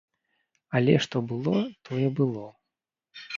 Але што было, тое было.